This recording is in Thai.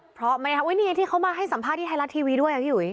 พร้อมไหมครับนี่ไงที่เขามาให้สัมภาษณ์ที่ไทยรัฐทีวีด้วยพี่หุย